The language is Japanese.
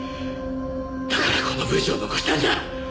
だからこの文書を残したんだ。